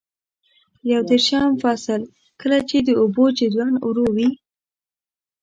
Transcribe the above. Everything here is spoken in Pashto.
یو دېرشم فصل: کله چې د اوبو جریان ورو وي.